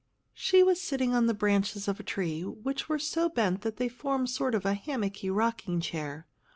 She was sitting on the branches of a tree, which were so bent that they formed a sort of hammocky rocking chair.